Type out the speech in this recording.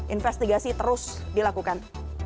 investigasi terus dilakukan